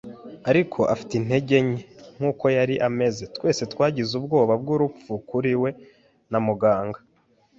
ariko afite intege nke nkuko yari ameze, twese twagize ubwoba bwurupfu kuri we, na muganga